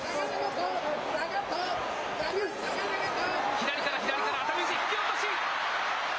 左から左から、熱海富士、引き落とし。